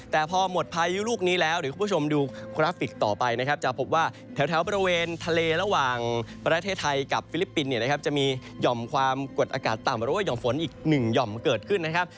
แต่พอหมดพายุลูกนี้แล้วเดี๋ยวคุณผู้ชมดูกราฟิกต่อไปนะครับจะพบว่าแถวบริเวณทะเลระหว่างประเทศไทยกับฟิลิปปินส์เนี่ยนะครับจะมีห่อมความกดอากาศต่ำหรือว่าห่อมฝนอีกหนึ่งหย่อมเกิดขึ้นนะครับ